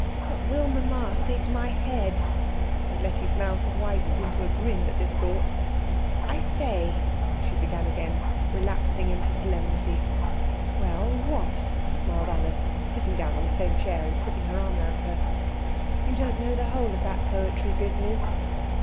What will mamma say to my head?" And Letty's mouth widened into a grin at this thought. "I say," she began again, relapsing into solemnity. "Well, what?" smiled Anna, sitting down on the same chair and putting her arm round her. "You don't know the whole of that poetry business."